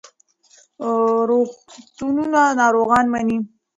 روغتونونه ناروغان مني.